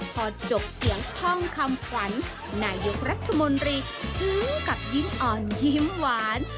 พอจบเสียงท่องคำขวัญนายกรัฐมนตรีถึงกับยิ้มอ่อนยิ้มหวาน